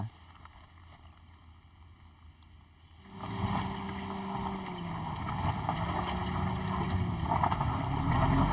pembangunan di lombok santoso